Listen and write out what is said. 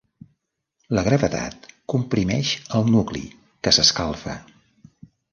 La gravetat comprimeix el nucli que s'escalfa.